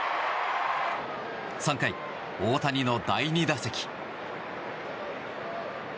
３回、大谷の第２打席。